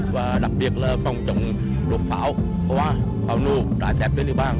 và đặc biệt là phòng trọng đột pháo hóa hóa nụ đáy phép đến nước bang